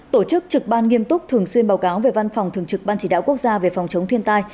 tổ chức trực ban nghiêm túc thường xuyên báo cáo về văn phòng thường trực ban chỉ đạo quốc gia về phòng chống thiên tai